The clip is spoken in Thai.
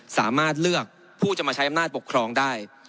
สามารถเลือกผู้จะมาใช้อำนาจปกครองได้